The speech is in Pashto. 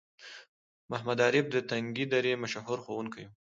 محمد عارف د تنگي درې مشهور ښوونکی وو